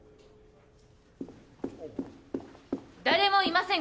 誰もいません